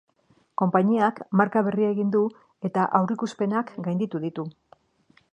Konpainiak marka berria egin du eta aurrikuspenak gainditu ditu.